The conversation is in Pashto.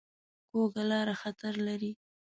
کوږه لاره خطر لري